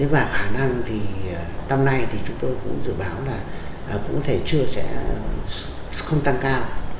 và khả năng thì năm nay thì chúng tôi cũng dự báo là cũng có thể chưa sẽ không tăng cao